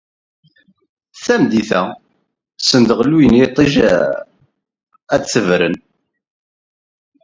Tameddit-a, send aɣelluy n yiṭij ad d-tebren.